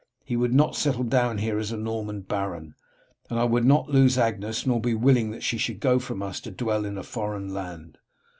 He would not settle down here as a Norman baron, and I would not lose Agnes nor be willing that she should go from us to dwell in a foreign land.